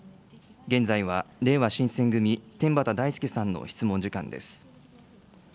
現在はれいわ新選組、天畠大輔さんの質問時間です。